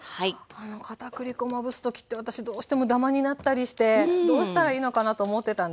片栗粉をまぶす時って私どうしてもだまになったりしてどうしたらいいのかなと思ってたんですけど。